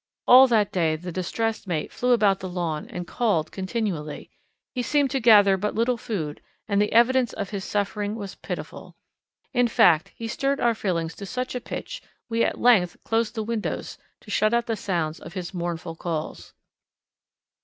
All that day the distressed mate flew about the lawn and called continually. He seemed to gather but little food and the evidence of his suffering was pitiful. In fact, he stirred our feelings to such a pitch we at length closed the windows to shut out the sounds of his mournful calls.